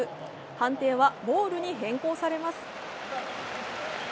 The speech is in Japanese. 判定はボールに変更されます。